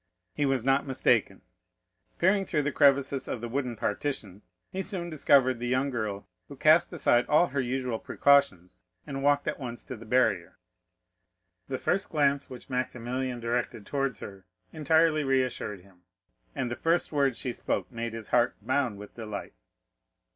He was not mistaken; peering through the crevices of the wooden partition, he soon discovered the young girl, who cast aside all her usual precautions and walked at once to the barrier. The first glance which Maximilian directed towards her entirely reassured him, and the first words she spoke made his heart bound with delight.